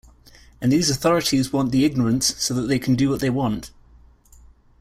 And these authorities want the ignorance so that they can do what they want.